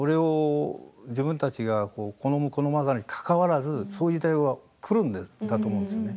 自分たちが、好む好まざるにかかわらずそういう時代が来るんだと思うんですよね。